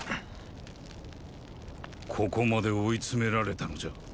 ここまで追いつめられたのじゃ。